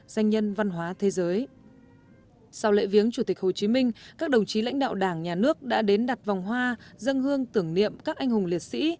sau lễ viếng chủ tịch hồ chí minh các đồng chí lãnh đạo đảng nhà nước đã đến đặt vòng hoa dâng hương tưởng niệm các anh hùng liệt sĩ